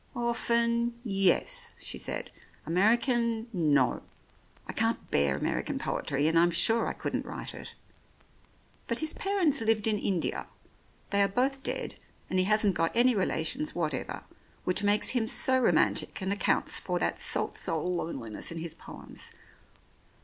"Orphan — yes," she said. "American — no. I can't bear American poetry, and I am sure I couldn't write it. But his parents lived in India. They are both dead, and he hasn't got any relations what ever, which makes him so romantic and accounts for that salt soul loneliness in his poems.